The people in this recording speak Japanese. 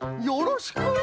よろしく！